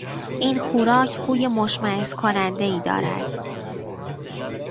این خوراک بوی مشمئز کنندهای دارد.